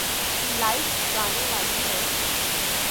light جانے والی ہے